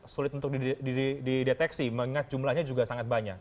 sulit untuk dideteksi mengingat jumlahnya juga sangat banyak